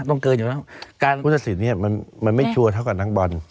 ต้องเกินอยู่แล้วการผู้ตัดสินเนี้ยมันมันไม่ชัวร์เท่ากับนักบอล